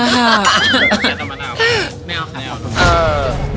ไม่เอาไม่เอา